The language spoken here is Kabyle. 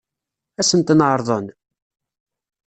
Ad sen-ten-ɛeṛḍen?